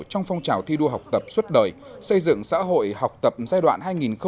trong phong trào thi đua học tập suốt đời xây dựng xã hội học tập giai đoạn hai nghìn một mươi chín hai nghìn hai mươi